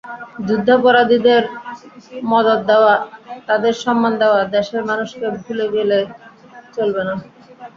যুদ্ধাপরাধীদের মদদ দেওয়া, তাদের সম্মান দেওয়া—দেশের মানুষকে ভুলে গেলে চলবে না।